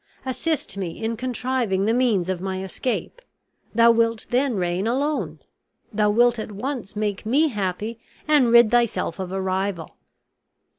Assist me in contriving the means of my escape; thou wilt then reign alone; thou wilt at once make me happy and rid thyself of a rival.